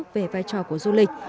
về vai trò của du lịch